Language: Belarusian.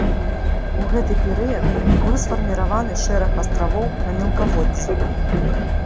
У гэты перыяд быў сфарміраваны шэраг астравоў на мелкаводдзі.